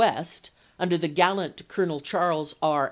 West, under the gallant Colonel Charles R.